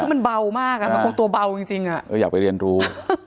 คือมันเบามากมันคงตัวเบาจริงอยากไปเรียนรู้